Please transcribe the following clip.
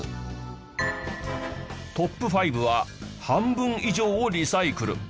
トップ５は半分以上をリサイクル。